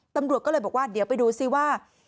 ตำรวจก็เลยบอกว่าเดี๋ยวไปดูซิว่า